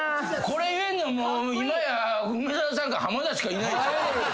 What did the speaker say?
これ言えんの今や梅沢さんか浜田しかいない。